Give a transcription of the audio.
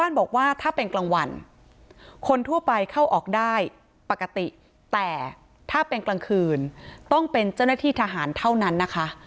บอกว่าถ้าเป็นกลางวันคนทั่วไปเข้าออกได้ปกติแต่ถ้าเป็นกลางคืนต้องเป็นเจ้าหน้าที่ทหารเท่านั้นนะคะ